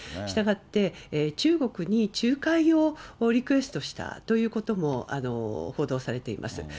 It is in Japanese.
したがって、中国に仲介をリクエストしたということも報道されています。